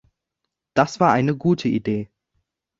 Das war eine gute Idee.